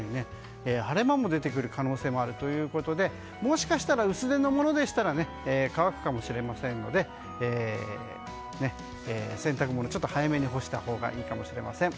晴れ間も出てくる可能性があるということでもしかしたら薄手のものでしたら乾くかもしれませんので洗濯ものちょっと早めに干したほうがいいかもしれません。